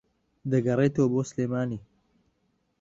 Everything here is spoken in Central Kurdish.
دەگەڕێتەوە بۆ سلێمانی